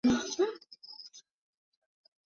由东映动画的同名电视动画为原作。